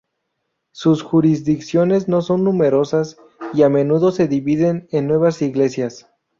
Sus jurisdicciones no son numerosas y a menudo se dividen en nuevas iglesias.